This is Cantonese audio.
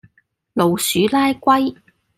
老鼠拉龜